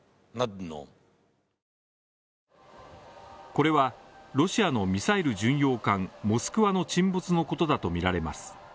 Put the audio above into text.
これはロシアのミサイル巡洋艦モスクワの沈没のことだとみられます。